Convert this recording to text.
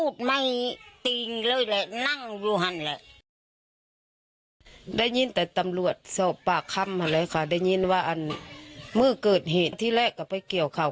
ได้ยินแต่ตำรวจเจ้าป่าค่ำอะไรค่ะได้ยินว่ามือเกิดเหตุที่แรกก็ไปเกี่ยวเขา